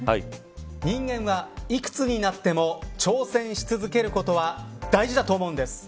人間はいくつになっても挑戦し続けることは大事だと思うんです。